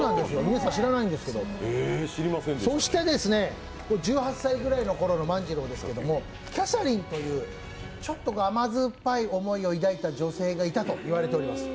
そして、１８歳ぐらいのころの万次郎ですけども、キャサリンという、ちょっと甘酸っぱい思いを抱いた女性がいたと言われています。